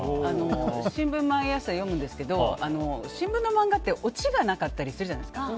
新聞、毎朝読むんですけど新聞の漫画ってオチがなかったりするじゃないですか。